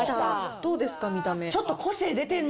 どうですか、見た目。ね。